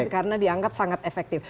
karena dianggap sangat efektif